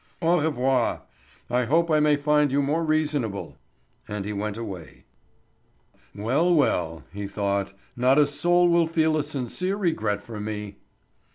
Au revoir—I hope I may find you more reasonable." And he went away. "Well, well," he thought, "not a soul will feel a sincere regret for me."